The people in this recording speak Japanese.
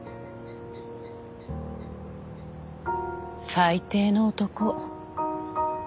最低の男。